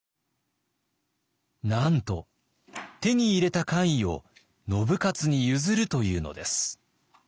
なんと手に入れた官位を信雄に譲るというのです。